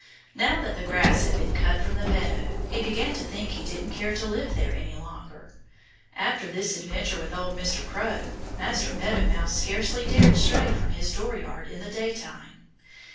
Now that the grass had been cut from the meadow he began to think he didn't care to live there any longer. After his adventure with old Mr. Crow, Master Meadow Mouse scarcely dared stray from his dooryard in the daytime.